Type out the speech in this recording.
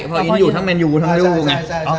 พออิ้นท์อยู่ทั้งแมนยู้ทั้งดูหรือไง